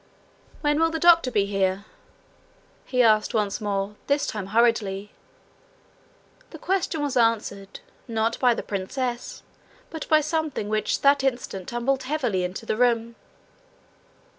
'When will the doctor be here?' he asked once more this time hurriedly. The question was answered not by the princess, but by something which that instant tumbled heavily into the room.